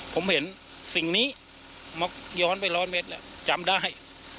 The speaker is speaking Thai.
ผมเห็นสิ่งนี้ย้อนไปร้อยเมตรแล้วจำได้